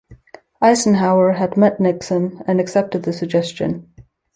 Eisenhower had met Nixon, and accepted the suggestion.